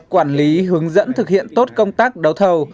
quản lý hướng dẫn thực hiện tốt công tác đấu thầu